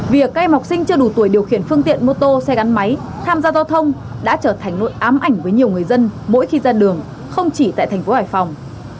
việc các em học sinh chưa đủ tuổi điều khiển phương tiện mô tô xe gắn máy tham gia giao thông đã trở thành nội ám ảnh với nhiều người dân mỗi khi ra đường không chỉ tại thành phố hải phòng